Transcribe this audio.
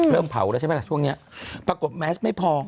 เริ่มเผาแล้วใช่ไหมล่ะช่วงนี้ปรากฏแมสไม่พอ